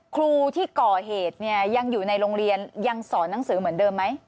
ครูที่ก่อเหตุเนี่ยยังอยู่ในโรงเรียนยังสอนหนังสือเหมือนเดิมไหม